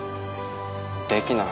できない